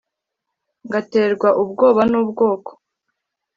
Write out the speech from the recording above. ngaterwa ubwoba n'ubwoko